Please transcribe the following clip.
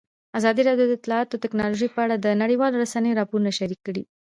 ازادي راډیو د اطلاعاتی تکنالوژي په اړه د نړیوالو رسنیو راپورونه شریک کړي.